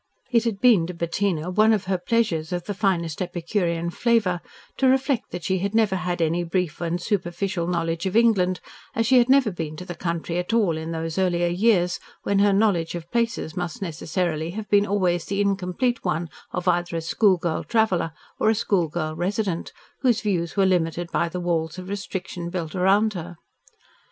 It had been to Bettina one of her pleasures of the finest epicurean flavour to reflect that she had never had any brief and superficial knowledge of England, as she had never been to the country at all in those earlier years, when her knowledge of places must necessarily have been always the incomplete one of either a schoolgirl traveller or a schoolgirl resident, whose views were limited by the walls of restriction built around her.